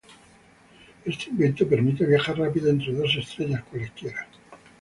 Este invento permite viajar rápido entre dos estrellas cualesquiera.